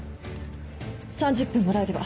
３０分もらえれば。